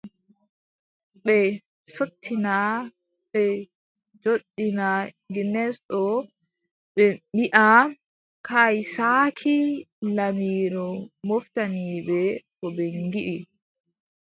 Ɓe sottina, ɓe joɗɗina genes ɗo ɓe mbiaʼa : kay saaki laamiiɗo moftani ɓe ko ɓe ngiɗi.